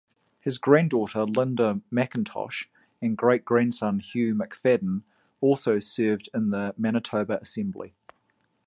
His granddaughter Linda McIntosh and great-grandson Hugh McFadyen also served in the Manitoba assembly.